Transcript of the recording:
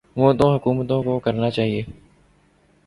وہ تو حکومتوں کو کرنا چاہیے۔